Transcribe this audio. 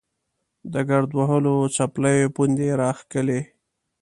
د ګرد وهلو څپلیو پوندې یې راښکلې.